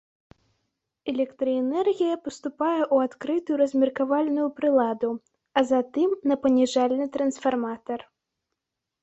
Электраэнергія паступае ў адкрытую размеркавальную прыладу, а затым на паніжальны трансфарматар.